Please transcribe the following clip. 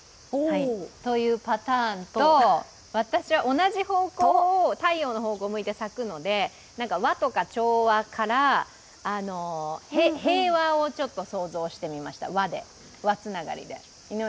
というパターンと、私は同じ方向を、太陽の方向を向いて咲くので和とか調和から平和を創造してみました和つながりで。